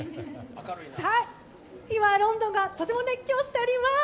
今、ロンドンがとても熱狂しております。